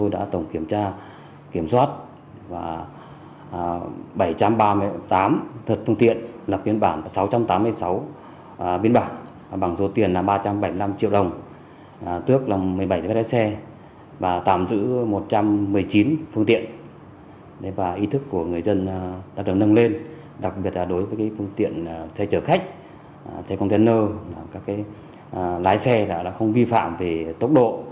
đặc biệt là đối với phương tiện xe chở khách xe container các cái lái xe đã không vi phạm về tốc độ